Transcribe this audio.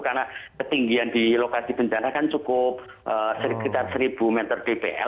karena ketinggian di lokasi bencana kan cukup sekitar seribu meter dpl